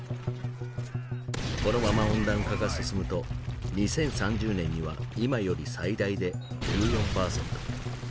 このまま温暖化が進むと２０３０年には今より最大で１４％